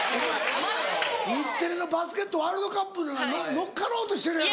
お前日テレのバスケットワールドカップ乗っかろうとしてるやろ。